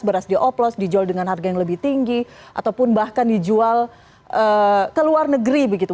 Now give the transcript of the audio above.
beras dioplos dijual dengan harga yang lebih tinggi ataupun bahkan dijual ke luar negeri begitu